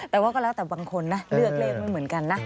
แต่ว่าก็แล้วแต่บางคนนะเลือกเลขไม่เหมือนกันนะ